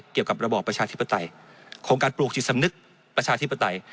เกี่ยวกับระบอบประชาธิปตัยโครงการปลูกจิตสำนึกประชาธิปตัย